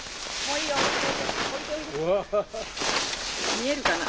見えるかな？